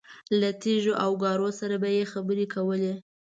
له تیږو او ګارو سره به یې خبرې کولې.